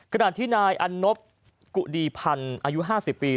ขณะที่นายอันนบกุดีพันธ์อายุ๕๐ปี